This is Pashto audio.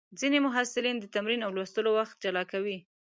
ځینې محصلین د تمرین او لوستلو وخت جلا کوي.